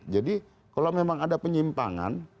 jadi kalau memang ada penyimpangan